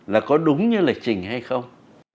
là có đúng như lịch trình hay không